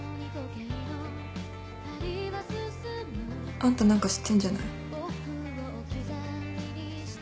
あんた何か知ってんじゃない？